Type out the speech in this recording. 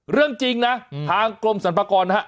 เรื่องจริงนะทางกรมสรรพากรนะฮะ